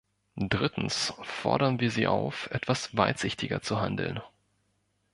Drittens fordern wir Sie auf, etwas weitsichtiger zu handeln.